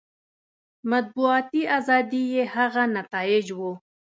مطبوعاتي ازادي یې هغه نتایج وو.